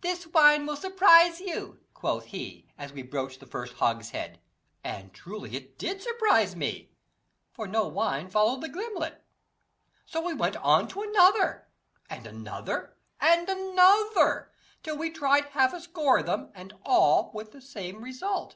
'This wine will surprise you,' quoth he, as we broached the first hogshead. And truly it did surprise me, for no wine followed the gimlet. So we went on to another, and another, and another, till we tried half a score of them, and all with the same result.